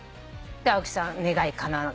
青木さん願いかなわなく。